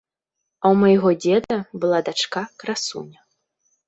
А ў майго дзеда была дачка красуня.